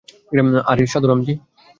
আরে সাধু রামজি।